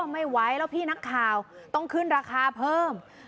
ไม่ไหวแล้วพี่นักข่าวต้องขึ้นราคาเพิ่ม